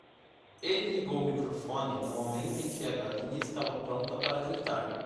Ele ligou o microfone no momento em que a galinha estava pronta para gritar.